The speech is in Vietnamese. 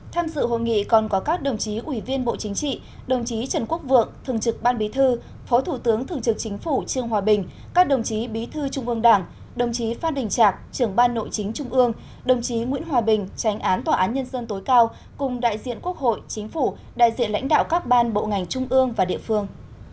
tham dự hội nghị còn có các đồng chí ủy viên bộ chính trị đồng chí trần quốc vượng thường trực ban bí thư phó thủ tướng thường trực chính phủ trương hòa bình các đồng chí bí thư trung ương đảng đồng chí phan đình trạc trưởng ban nội chính trung ương đồng chí nguyễn hòa bình tránh án tòa án nhân dân tối cao cùng đại diện quốc hội chính phủ đại diện lãnh đạo các ban bộ ngành trung ương và địa phương